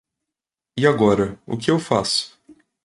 E agora o que eu faço?